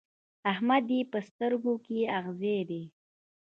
احمد يې په سترګو کې اغزی دی.